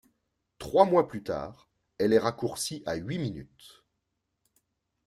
Trois mois plus tard, elle est raccourcie à huit minutes.